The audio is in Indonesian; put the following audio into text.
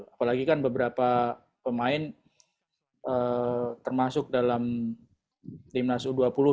apalagi kan beberapa pemain termasuk dalam timnas u dua puluh